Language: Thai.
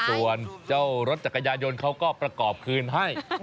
ส่วนเจ้ารถจักรยานยนต์เขาก็ประกอบคืนให้